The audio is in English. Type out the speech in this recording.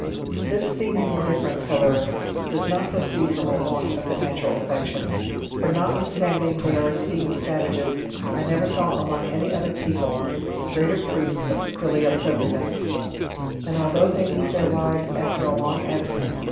This seeming indifference, however, does not proceed from a want of the natural affections, for, notwithstanding they are esteemed savages, I iiovor s,uv among any other people greater proofs of filial tnmteni ?; and, although they meet their wives after a long aba ?nbo